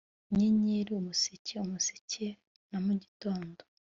Inyenyeri umuseke umuseke na mugitondo